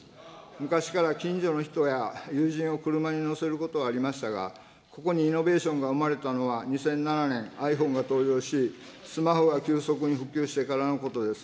昔から近所の人や友人を車に乗せることはありましたが、ここにイノベーションが生まれたのは２００７年、ｉＰｈｏｎｅが登場し、スマホが急速に普及してからのことです。